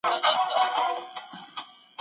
کاڼي په لمن کي لېوني عجیبه و ویل